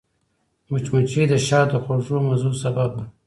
مچمچۍ د شاتو د خوږو مزو سبب ده